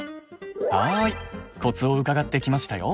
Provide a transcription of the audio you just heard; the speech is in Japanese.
はいコツを伺ってきましたよ。